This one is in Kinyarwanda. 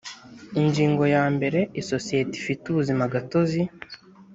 ingingo ya mbere isosiyete ifite ubuzima gatozi